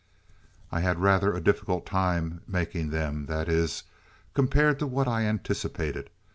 "I had rather a difficult time making them that is, compared to what I anticipated.